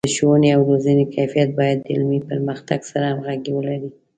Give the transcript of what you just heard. د ښوونې او روزنې کیفیت باید د علمي پرمختګ سره همغږي ولري.